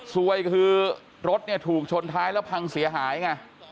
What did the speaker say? ซวยคือรถเนี่ยถูกชนท้ายแล้วพังเสียหายไง